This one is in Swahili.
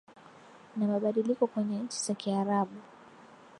na mabadiliko kwenye nchi za kiarabu